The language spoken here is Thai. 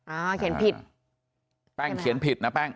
อ่าเขียนผิด